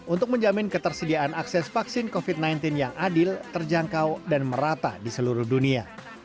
untuk menjamin ketersediaan akses vaksin covid sembilan belas yang adil terjangkau dan merata di seluruh dunia